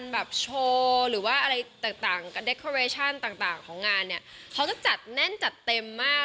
มันจัดเต็มมาก